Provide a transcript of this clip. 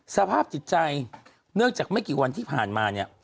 สภาพจิตใจเนื่องจากไม่กี่วันที่ผ่านมาเนี่ย